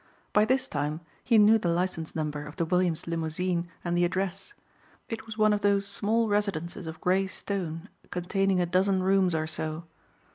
By this time he knew the license number of the Williams' limousine and the address. It was one of those small residences of gray stone containing a dozen rooms or so.